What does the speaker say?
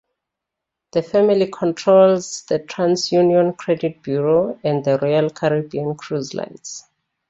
The family controls the TransUnion Credit Bureau and the Royal Caribbean Cruise Lines.